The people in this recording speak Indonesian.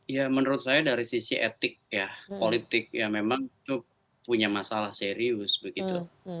ya menurut saya dari sisi etik ya politik ya memang itu punya masalah serius begitu